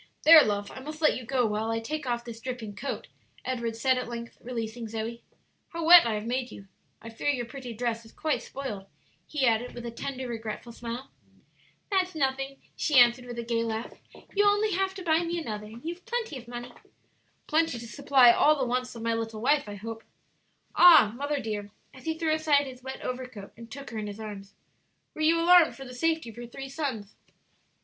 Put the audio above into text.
"There, love, I must let you go while I take off this dripping coat," Edward said, at length, releasing Zoe. "How wet I have made you! I fear your pretty dress is quite spoiled," he added, with a tender, regretful smile. "That's nothing," she answered, with a gay laugh; "you'll only have to buy me another, and you've plenty of money." "Plenty to supply all the wants of my little wife, I hope." "Ah, mother dear," as he threw aside his wet overcoat and took her in his arms, "were you alarmed for the safety of your three sons?"